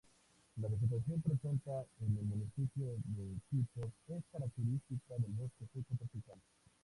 La vegetación presente en el municipio de tipo es característica del bosque Seco Tropical.